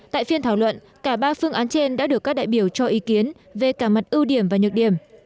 tại phiên thảo luận cả ba phương án trên đã được các đại biểu cho ý kiến về cả mặt ưu điểm và nhược điểm